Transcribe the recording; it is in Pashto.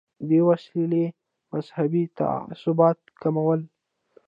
دې وسیلې مذهبي تعصبات کمول.